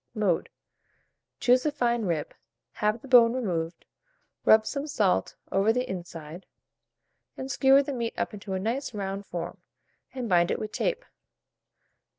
Mode. Choose a fine rib, have the bone removed, rub some salt over the inside, and skewer the meat up into a nice round form, and bind it with tape.